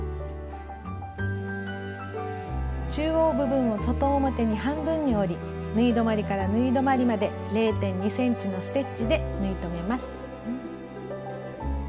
中央部分を外表に半分に折り縫い止まりから縫い止まりまで０．２ｃｍのステッチで縫い留めます。